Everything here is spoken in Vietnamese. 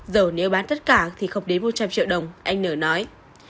giờ nếu bán tất cả thì không đến một trăm linh triệu đồng anh nở nói